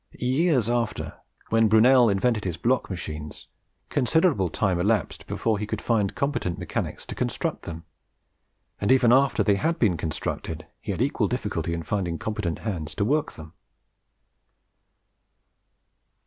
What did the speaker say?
Years after, when Brunel invented his block machines, considerable time elapsed before he could find competent mechanics to construct them, and even after they had been constructed he had equal difficulty in finding competent hands to work them.